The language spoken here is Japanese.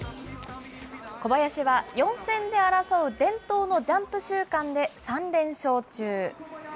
小林は、４戦で争う伝統のジャンプ週間で３連勝中。